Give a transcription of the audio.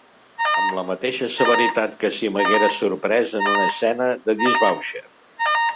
Amb la mateixa severitat que si m'haguera sorprès en una escena de disbauxa.